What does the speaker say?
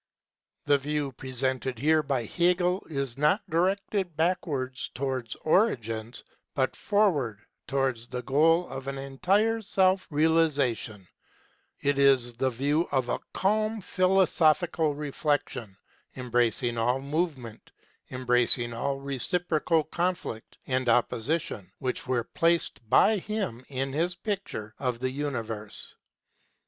The view presented here by Hegel is not directed backwards towards origins but forward to wards the goal of an entire self realisation ; it is the view of a calm philosophical reflection 50 KNOWLEDGE AND LIFE embracing all movement embracing all the reciprocal conflict and opposition which were placed by him in his picture of the universe.